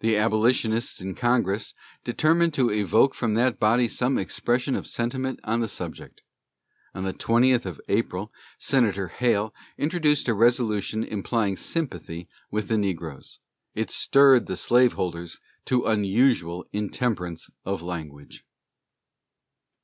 The Abolitionists in Congress determined to evoke from that body some expression of sentiment on the subject. On the 20th of April Senator Hale introduced a resolution implying sympathy with the negroes. It stirred the slaveholders to unusual intemperance of language.